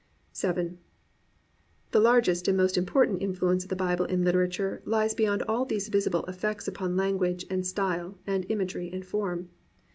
VII The largest and most important influence of the Bible in literature lies beyond all these visible effects upon language and style and imagery and form.